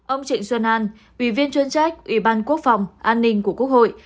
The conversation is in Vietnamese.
ông trịnh xuân an ủy viên chuyên trách ủy ban quốc phòng an ninh của quốc hội